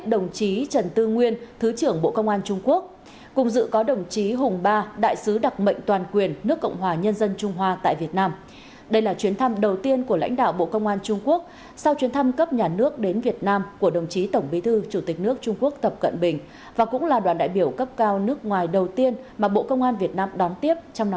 đây là đoạn đại biểu cấp cao nước ngoài đầu tiên mà bộ công an việt nam đón tiếp trong năm mới hai nghìn hai mươi bốn